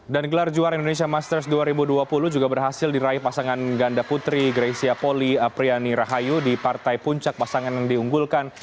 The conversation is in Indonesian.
dan gelar juara indonesia masters dua ribu dua puluh juga berhasil diraih pasangan ganda putri greysia poli apriani rahayu di partai puncak pasangan yang diunggulkan